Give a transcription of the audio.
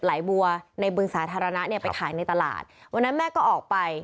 ไหลบัวในบึงสาธารณะเนี่ยไปขายในตลาดวันนั้นแม่ก็ออกไป